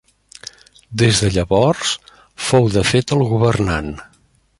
Des de llavors fou de fet el governant.